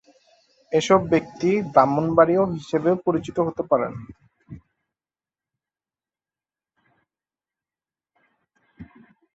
এসব ব্যক্তি ব্রাহ্মণবাড়ীয় হিসাবেও পরিচিত হতে পারেন।